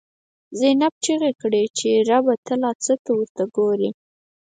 «زینب» چیغی کړی چه ربه، ته لا څه ته ورته گوری